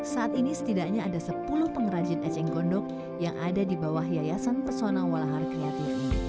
saat ini setidaknya ada sepuluh pengrajin eceng gondok yang ada di bawah yayasan persona walahar kreatif ini